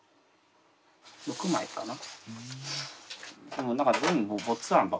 ６枚かな？